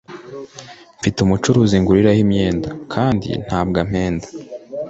Mfite umucuruzi nguriraho imyenda kandi ntabwo ampenda